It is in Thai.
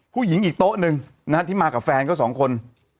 ผู้หญิงอีกโต๊ะหนึ่งที่มากับแฟนก็สองคน